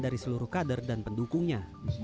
dari seluruh kader dan pendukungnya